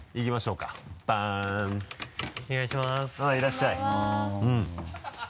うんいらっしゃい。